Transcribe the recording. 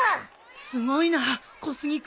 すごいな小杉君。